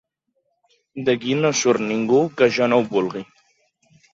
D'aquí no surt ningú que jo no ho vulgui.